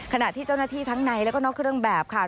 ขณะที่เจ้าหน้าที่ทั้งในแล้วก็นอกเครื่องแบบค่ะ